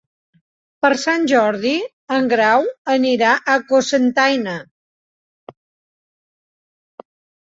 Per Sant Jordi en Grau anirà a Cocentaina.